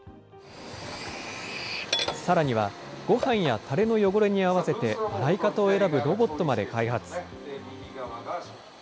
さらには、ごはんやたれの汚れに合わせて、洗い方を選ぶロボットまで開発。